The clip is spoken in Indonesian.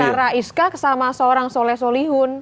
antara iskak sama seorang soleh solihun